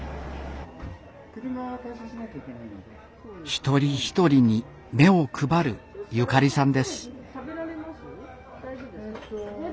一人一人に目を配るゆかりさんです。